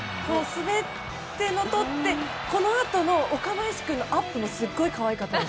滑って、とってこのあとの岡林君のアップもすごい可愛かった。